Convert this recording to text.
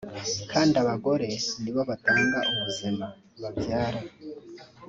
kandi abagore nibo batanga ubuzima (babyara)